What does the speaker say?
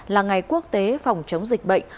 là ngày quốc tế phòng chống dịch bệnh